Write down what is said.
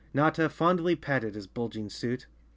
* Notta fondly patted his bulging suit.